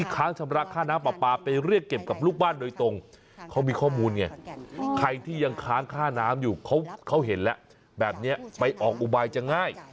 ใครที่ยังค้างค่าน้ำอยู่เขาเห็นแหละแบบนี้ไปออกอุบายจะง่าย